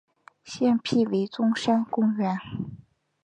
现辟为中山公园。